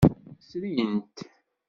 Srin-t.